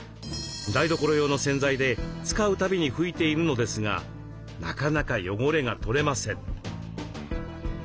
台所用の洗剤で使うたびに拭いているのですがなかなか汚れが取れません。